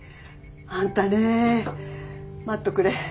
あんたね待っとくれ。